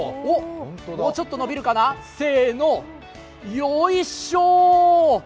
もうちょっと伸びるかなよいしょっ。